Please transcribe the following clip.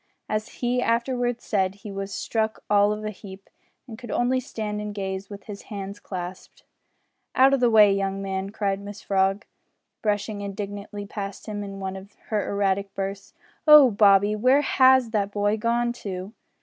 As he afterwards said, he was struck all of a heap, and could only stand and gaze with his hands clasped. "Out o' the way, young man!" cried Mrs Frog, brushing indignantly past him, in one of her erratic bursts. "Oh! Bobby where has that boy gone to?"